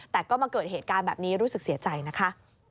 แต่ก็มาเกิดเหตุการณ์แบบนี้รู้สึกเสียใจนะคะ